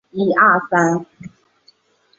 后屡试不第。